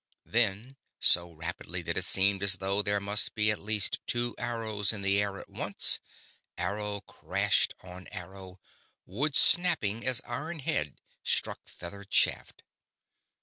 Then, so rapidly that it seemed as though there must be at least two arrows in the air at once, arrow crashed on arrow; wood snapping as iron head struck feathered shaft.